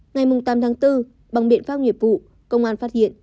ngày tám tháng bốn bằng biện pháp nghiệp vụ công an phát hiện